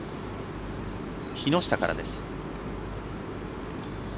木下からです。